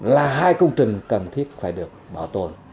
là hai công trình cần thiết phải được bảo tồn